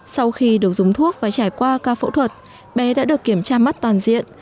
sau khi được dùng thuốc và trải qua ca phẫu thuật bé đã được kiểm tra mắt toàn diện